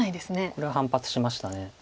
これは反発しました。